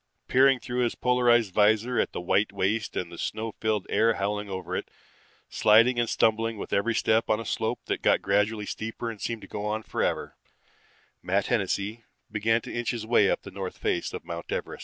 Peering through his polarized vizor at the white waste and the snow filled air howling over it, sliding and stumbling with every step on a slope that got gradually steeper and seemed to go on forever, Matt Hennessy began to inch his way up the north face of Mount Everest.